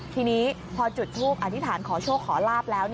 ทีนี้พอจุดทูปอธิษฐานขอโชคขอลาบแล้ว